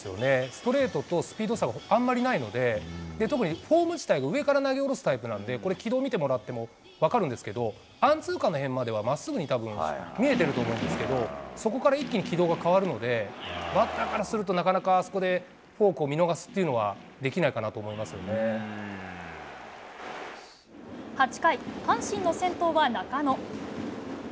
ストレートとスピード差があんまりないので、特に、フォーム自体が投げ下ろすタイプなんで、これ、軌道見てもらっても分かるんですけど、アンツーカーのへんまでは、たぶん見えてると思うんですけど、そこから一気に軌道が変わるので、バッターからすると、なかなかあそこでフォークを見逃すっていうのはできないかなと思８回、阪神の先頭は中野。